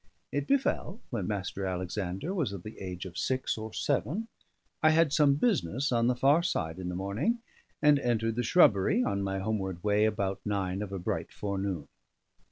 It befell when Mr. Alexander was of the age of six or seven, I had some business on the far side in the morning, and entered the shrubbery, on my homeward way, about nine of a bright forenoon.